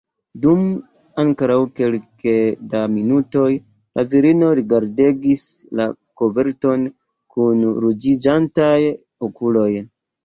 Dum ankoraŭ kelke da minutoj la virino rigardegis la koverton kun ruĝiĝantaj okuloj.